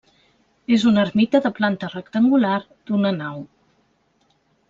És una ermita de planta rectangular, d'una nau.